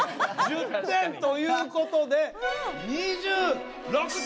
１０点ということで２６点！